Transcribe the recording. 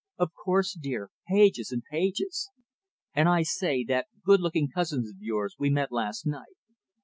"Of course, dear, pages and pages." "And I say, that good looking cousin of yours we met last night!